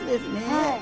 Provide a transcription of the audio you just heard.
はい。